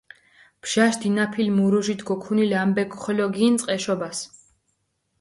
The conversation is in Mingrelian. ბჟაშ დინაფილ მურუჟით გოქუნილ ამბექ ხოლო გინწყჷ ეშობას.